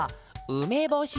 うめぼし？